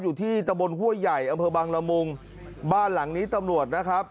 อยู่ที่ตะบนห้วยใหญ่อำเภอบังละมุงบ้านหลังนี้ตำรวจนะครับ